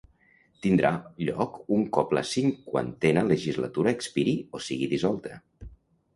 Tindrà lloc un cop la cinquantena legislatura expiri o sigui dissolta.